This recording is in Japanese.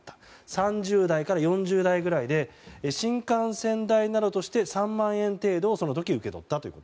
３０代から４０代ぐらいで新幹線代などとして３万円程度その時受け取ったと。